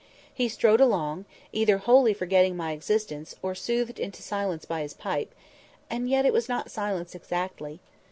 He strode along, either wholly forgetting my existence, or soothed into silence by his pipe—and yet it was not silence exactly.